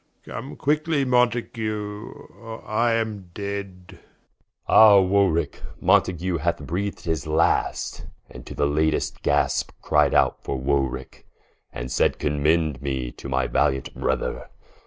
Come quickly Mountague, or I am dead Som. Ah Warwicke, Mountague hath breath'd his last, And to the latest gaspe, cry'd out for Warwicke: And said, Commend me to my valiant Brother.